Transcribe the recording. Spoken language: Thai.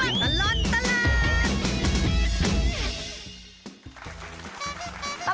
ชั่วตลอดตลาด